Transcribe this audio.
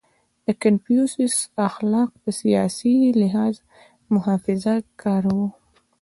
• د کنفوسیوس اخلاق په سیاسي لحاظ محافظهکار وو.